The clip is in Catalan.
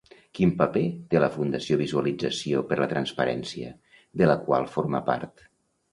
Quin paper té la Fundació Visualització per la Transparència, de la qual forma part?